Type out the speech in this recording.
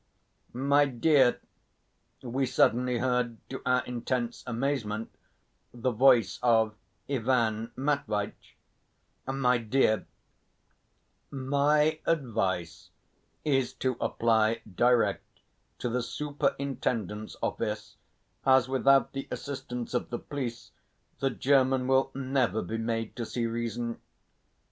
"My dear" we suddenly heard, to our intense amazement, the voice of Ivan Matveitch "my dear, my advice is to apply direct to the superintendent's office, as without the assistance of the police the German will never be made to see reason."